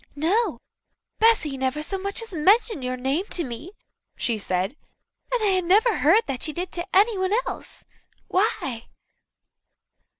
"No. Bessy never so much as mentioned your name to me," she said, "and I never heard that she did to anyone else. Why?"